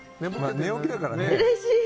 寝起きだからね。